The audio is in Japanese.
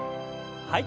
はい。